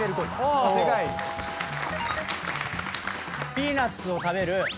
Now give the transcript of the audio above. ピーナッツを食べる。